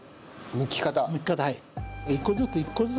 むき方。